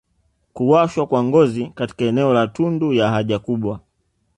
kuwashwa kwa ngozi katika eneo la tundu ya haja kubwa